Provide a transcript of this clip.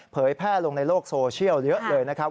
แพร่ลงในโลกโซเชียลเยอะเลยนะครับ